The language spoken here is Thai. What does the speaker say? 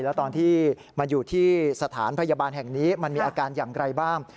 แล้วตอนที่มาอยู่ที่สถานพยาบาลแห่งนี้มันมีอาการอย่างไรบ้าง